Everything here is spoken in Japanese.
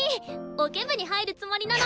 オケ部に入るつもりなの。